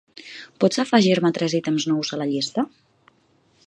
Pots afegir-me tres ítems nous a la llista?